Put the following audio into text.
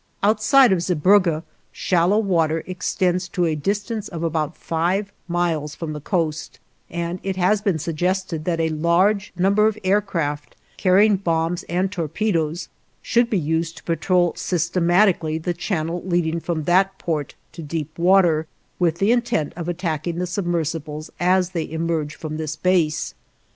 Outside of Zeebrugge, shallow water extends to a distance of about five miles from the coast, and it has been suggested that a large number of aircraft, carrying bombs and torpedoes, should be used to patrol systematically the channel leading from that port to deep water, with the intent of attacking the submersibles as they emerge from this base.